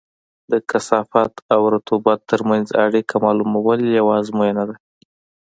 د کثافت او رطوبت ترمنځ اړیکه معلومول یوه ازموینه ده